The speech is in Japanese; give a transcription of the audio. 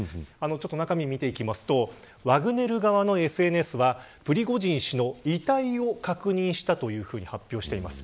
中身を見ていきますとワグネル側のＳＮＳはプリゴジン氏の遺体を確認したと発表しています。